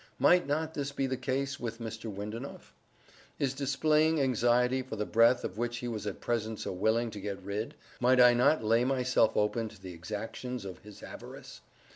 Might not this be the case with Mr. Windenough? In displaying anxiety for the breath of which he was at present so willing to get rid, might I not lay myself open to the exactions of his avarice?